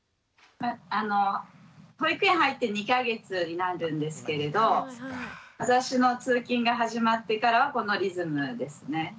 保育園入って２か月になるんですけれど私の通勤が始まってからはこのリズムですね。